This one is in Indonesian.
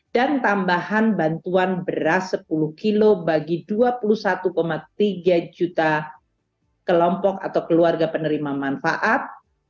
tambahan bantuan beras sepuluh kg bagi dua puluh satu tiga juta kelompok atau keluarga penerima manfaat